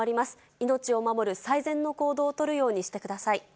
命を守る最善の行動を取るようにしてください。